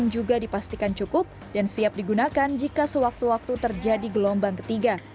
juga dipastikan cukup dan siap digunakan jika sewaktu waktu terjadi gelombang ketiga